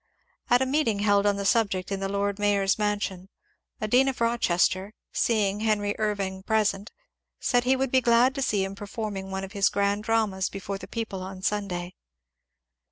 At a meeting held on the subject in the Lord Mayor's mansion, a dean of fiochester, seeing Henry Irving present, said he would be glad to see him performing one of his grand dramas before the people on Sunday.